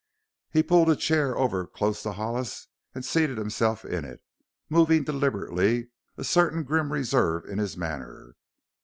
He pulled a chair over close to Hollis and seated himself in it, moving deliberately, a certain grim reserve in his manner.